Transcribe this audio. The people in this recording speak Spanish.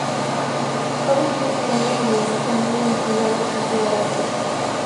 Todos ellos con un denominador común: necesidad excesiva de afecto.